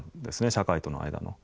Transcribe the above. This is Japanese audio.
社会との間の。